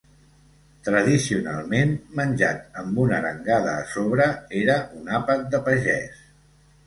Tradicionalment, menjat amb una arengada a sobre, era un àpat de pagès.